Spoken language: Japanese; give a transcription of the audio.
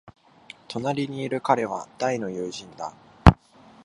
隣にいる彼は大の友人だ。